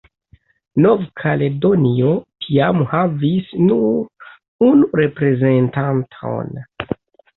Nov-Kaledonio tiam havis nur unu reprezentanton.